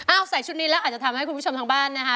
ใส่ชุดนี้แล้วอาจจะทำให้คุณผู้ชมทางบ้านนะคะ